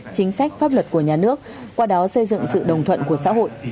chính sách pháp luật của nhà nước qua đó xây dựng sự đồng thuận của xã hội